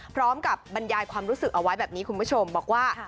พร้อมกับบรรยายความรู้สึกเอาไว้แบบนี้คุณผู้ชมบอกว่า